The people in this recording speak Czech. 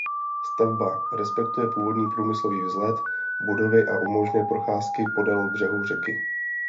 Stavba respektuje původní průmyslový vzhled budovy a umožňuje procházky podél břehu řeky.